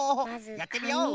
やってみよう。